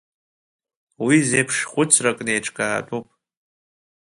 Уи зеиԥш хәыцракны еиҿкаатәуп.